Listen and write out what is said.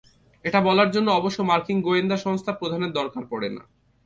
এটা বলার জন্য অবশ্য মার্কিন গোয়েন্দা সংস্থার প্রধানের দরকার পড়ে না।